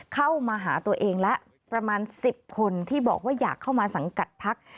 เข้ามาหาตัวเองแล้วประมาณ๑๐คนที่บอกว่าอยากเข้ามาสังกัดพัก